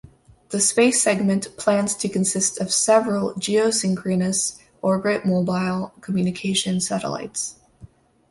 The space segment plans to consist of several geosynchronous orbit mobile communication satellites.